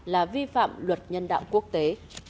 là vi phạm luật nhân đạo quốc tế